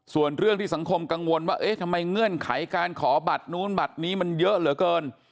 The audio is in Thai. ส่วนเรื่องที่สังคมกังวลว่าเอ๊ะทำไมเงื่อนไขการขอบัตรนู้นบัตรนี้มันเยอะเหลือเกิน